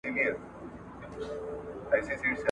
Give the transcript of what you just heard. نیول سوی جاسوس یوه بیلګه ده.